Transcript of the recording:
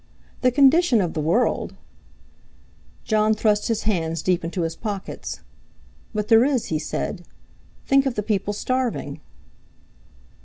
"The condition of the world!" Jon thrust his hands deep into his pockets. "But there is," he said; "think of the people starving!"